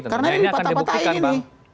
karena ini patah patah ini